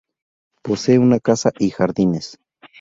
Posee una casa y jardines.